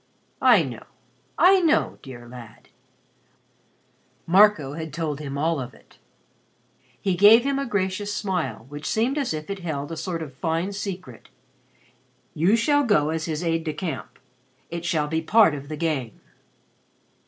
"I know, I know, dear lad." Marco had told him all of it. He gave him a gracious smile which seemed as if it held a sort of fine secret. "You shall go as his aide de camp. It shall be part of the game."